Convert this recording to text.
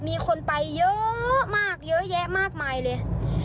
มีคนไปเยอะมากเยอะแยะมากมายเลย